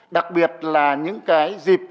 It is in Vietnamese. đặc biệt là những dịp